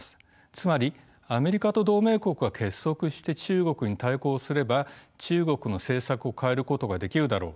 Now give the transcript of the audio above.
つまりアメリカと同盟国が結束して中国に対抗すれば中国の政策を変えることができるだろう。